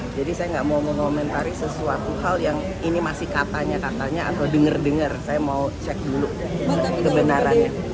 jadi saya gak mau mengomentari sesuatu hal yang ini masih katanya katanya atau denger denger saya mau cek dulu kebenarannya